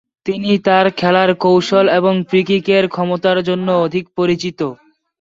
তিনি তার খেলার কৌশল এবং ফ্রি-কিকের ক্ষমতার জন্য অধিক পরিচিত।